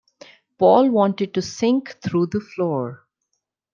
Paul wanted to sink through the floor.